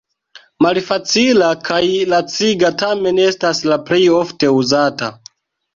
Malfacila kaj laciga, tamen estas la plej ofte uzata.